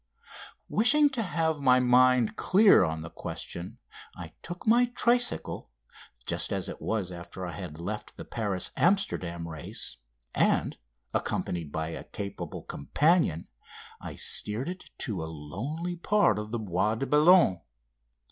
Wishing to have my mind clear on the question I took my tricycle, just as it was after I had left the Paris Amsterdam race, and, accompanied by a capable companion, I steered it to a lonely part of the Bois de Boulogne.